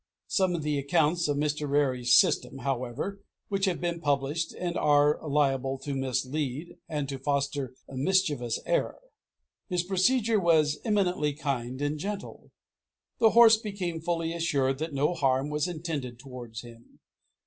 Some of the accounts of Mr. Rarey's system, however, which have been published, are liable to mislead, and to foster a mischievous error. His procedure was eminently kind and gentle. The horse became fully assured that no harm was intended towards him.